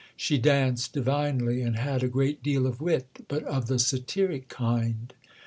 She danced divinely, and had a great deal of wit, but of the satiric kind."